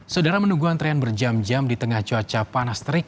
saudara menunggu antrian berjam jam di tengah cuaca panas terik